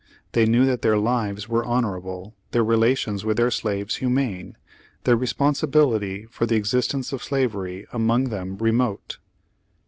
They knew that their lives were honorable, their relations with their slaves humane, their responsibility for the existence of slavery among them remote."